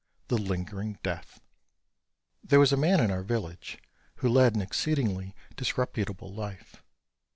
THE LINGERING DEATH. There was a man in our village who led an exceedingly disreputable life.